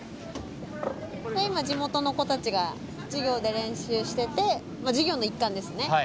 今地元の子たちが授業で練習しててまあ授業の一環ですね。